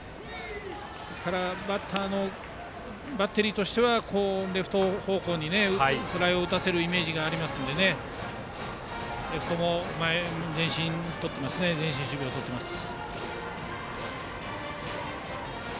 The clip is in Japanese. バッテリーとしてはレフト方向にフライを打たせるイメージがありますのでレフトも前進守備をとっています。